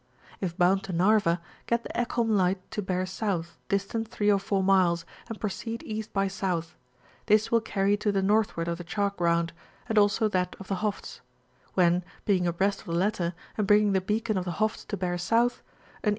If bound to Narva, get the Ekholm Light to bear South, distant 3 or 4 miles, and proceed E. by S. ; ihis will carry you to the northward of the Chalk Ground, and also that of the Hofts; when, being abreast of the latter, and bringing the beacon of the Hofts to bear South, an E.